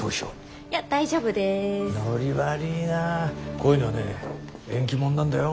こういうのはね縁起物なんだよ。